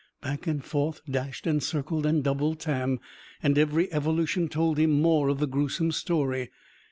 Back and forth dashed and circled and doubled Tam. And every evolution told him more of the gruesome story.